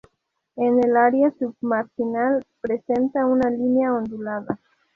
En el área submarginal presenta una línea ondulada.